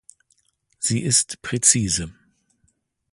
Sie ist präzise.